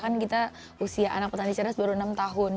kan kita usia anak petani cerdas baru enam tahun